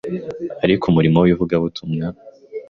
Ariko umurimo w’ivugabutumwa